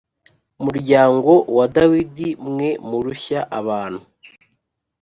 muryango wa Dawidi mwe murushya abantu